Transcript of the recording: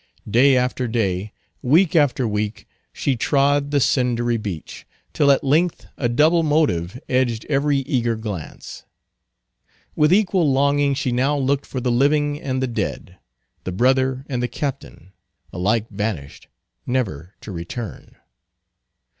Day after day, week after week, she trod the cindery beach, till at length a double motive edged every eager glance. With equal longing she now looked for the living and the dead; the brother and the captain; alike vanished, never to return.